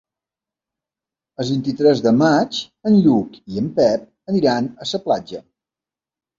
El vint-i-tres de maig en Lluc i en Pep aniran a la platja.